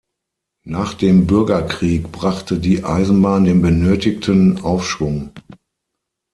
Nach dem Bürgerkrieg brachte die Eisenbahn den benötigten Aufschwung.